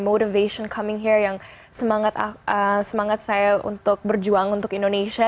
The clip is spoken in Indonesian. motivasi saya datang ke sini yang semangat saya untuk berjuang untuk indonesia